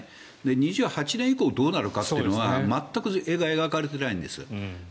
２８年以降どうなるかというのは全く描かれていないんです。